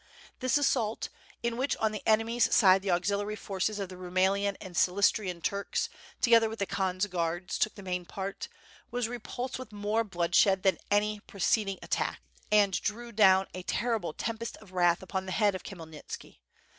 This assault, in which on the enemies' side the auxiliary forces of the Rumelian and Silistrian Turks, together with the Khan's guards, took the main part, was repulsed with more bloodshed than any preceding attack, and drew down a ter rible tempest ai wrath upon the head of Khmyelnitski.